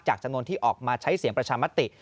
จำนวนที่ออกมาใช้เสียงประชามติ